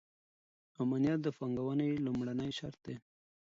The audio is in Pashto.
امنیت د پانګونې لومړنی شرط دی.